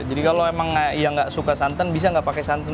jadi kalau emang yang gak suka santan bisa gak pakai santan